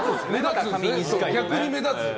逆に目立つの。